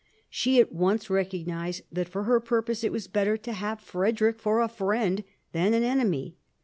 She at once recognised that for her purposes it was better to have Frederick for a friend than an enemy.